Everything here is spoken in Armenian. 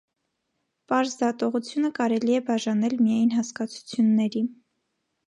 Պարզ դատողությունը կարելի է բաժանել միայն հասկացությունների։